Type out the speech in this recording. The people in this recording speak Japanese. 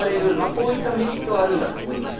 こういったメリットはあるんだと思います。